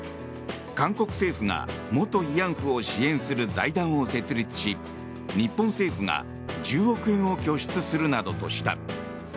韓国政府が元慰安婦を支援する財団を設立し日本政府が１０億円を拠出するなどとした。